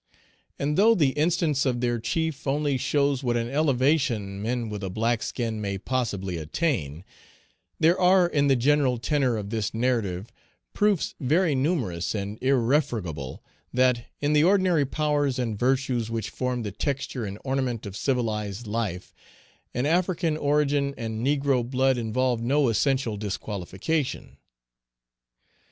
And though the instance of their chief only shows what an elevation men with a black skin may possibly attain, there are in the general tenor of this narrative proofs very numerous and irrefragable that, in the ordinary powers and virtues which form the texture and ornament of civilized life, an African origin and negro blood involve no essential disqualification.